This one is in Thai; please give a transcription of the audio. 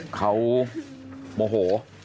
เขาโมโห